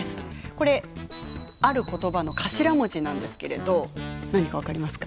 これある言葉の頭文字なんですけれど何か分かりますか？